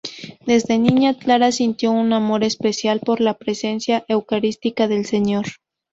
Desde niña, Clara sintió un amor especial por la presencia Eucarística del Señor.